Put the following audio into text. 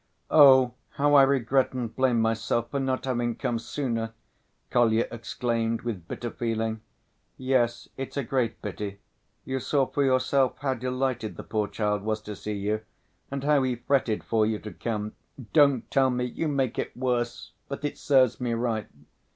"Oh, how I regret and blame myself for not having come sooner!" Kolya exclaimed, with bitter feeling. "Yes, it's a great pity. You saw for yourself how delighted the poor child was to see you. And how he fretted for you to come!" "Don't tell me! You make it worse! But it serves me right.